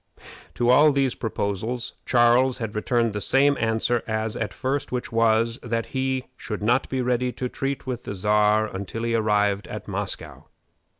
To all these proposals Charles had returned the same answer as at first, which was, that he should not be ready to treat with the Czar until he arrived at Moscow.